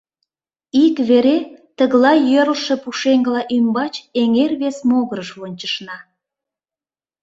Ик вере тыглай йӧрлшӧ пушеҥгыла ӱмбач эҥер вес могырыш вончышна.